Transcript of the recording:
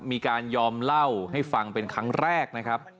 มีการยอมเล่าให้ฟังเป็นครั้งแรกนะครับ